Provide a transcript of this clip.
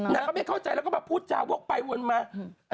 นางก็ไม่เข้าใจแล้วก็มาพูดจาวกไปวนมา